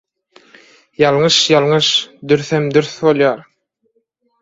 Ýalňyş – ýalňyş, dürsem – dürs bolýar.